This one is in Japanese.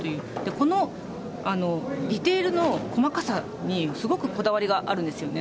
このディテールの細かさにすごくこだわりがあるんですよね。